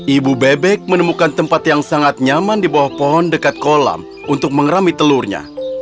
ibu bebek menemukan tempat yang sangat nyaman di bawah pohon dekat kolam untuk mengerami telurnya